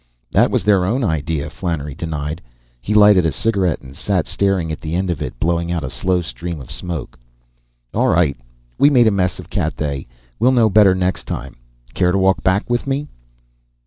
"That was their own idea," Flannery denied. He lighted a cigarette and sat staring at the end of it, blowing out a slow stream of smoke. "All right, we made a mess of Cathay. We'll know better next time. Care to walk back with me?"